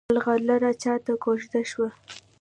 ملغلره چاته کوژدن شوه؟